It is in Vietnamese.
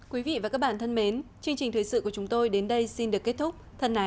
quý vị và các bạn thân mến chương trình thời sự của chúng tôi đến đây xin được kết thúc thân ái chào tạm